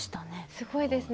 すごいですね。